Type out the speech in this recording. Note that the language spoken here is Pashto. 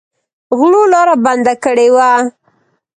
غلو لاره بنده کړې وه.